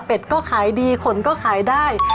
ก็ขายดีขนก็ขายได้